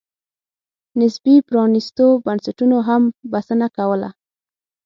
نسبي پرانېستو بنسټونو هم بسنه کوله.